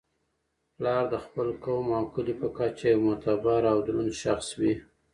پلار د خپل قوم او کلي په کچه یو معتبر او دروند شخص وي.